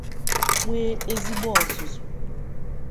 nwee ezigbo ọzụzụ